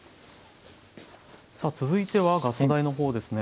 さあ続いてはガス台のほうですね。